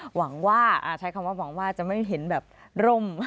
หวังว่าใช้คำว่าหวังว่าจะไม่เห็นแบบร่ม